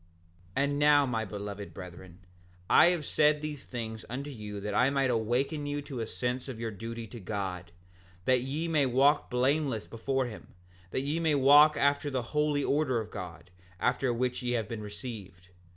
7:22 And now my beloved brethren, I have said these things unto you that I might awaken you to a sense of your duty to God, that ye may walk blameless before him, that ye may walk after the holy order of God, after which ye have been received.